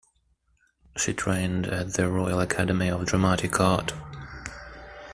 She trained at the Royal Academy of Dramatic Art.